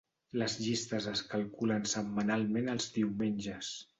Les llistes es calculen setmanalment els diumenges.